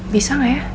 bisa gak ya